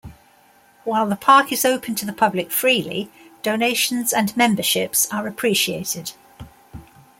While the park is open to the public freely, donations and memberships are appreciated.